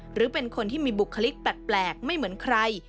หรือเป็นคนที่มีบุคลิกแปลกไม่เหมือนใคร